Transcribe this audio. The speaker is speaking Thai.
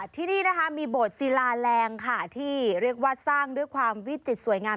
ที่นี่นะคะมีโบสถศิลาแรงค่ะที่เรียกว่าสร้างด้วยความวิจิตรสวยงาม